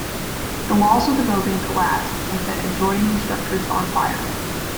The walls of the building collapsed, and set adjoining structures on fire.